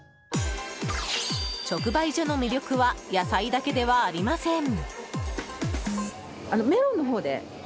直売所の魅力は野菜だけではありません。